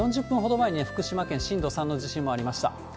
４０分ほど前に、福島県、震度３の地震もありました。